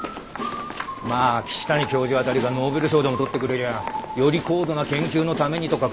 まあ岸谷教授辺りがノーベル賞でも取ってくれりゃより高度な研究のためにとか書けるんだがな。